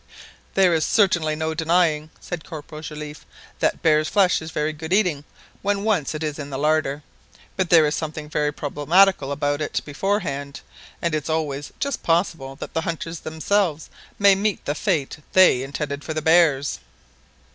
"There is certainly no denying," said Corporal Joliffe, "that bear's flesh is very good eating when once it's in the larder; but there is something very problematical about it beforehand, and it's always just possible that the hunters themselves may meet the fate they intended for the bears!"